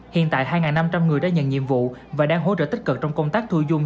hiện tại hai năm trăm linh người đã nhận nhiệm vụ và đang hỗ trợ tích cực trong công tác thu dung